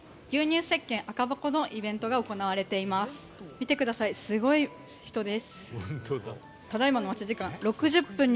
見てください、すごい人です。